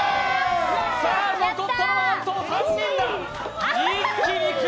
残ったのはなんと３人だ。